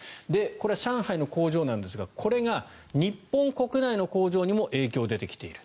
これは上海の工場なんですがこれが日本国内の工場にも影響が出てきている。